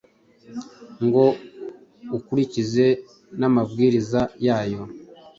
ngo ukurikize namabwiriza yayo